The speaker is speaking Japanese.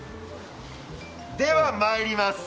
では、まいります。